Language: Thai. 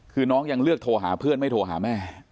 คือน้องยังเลือกโทรหาเพื่อนไม่โทรหาแม่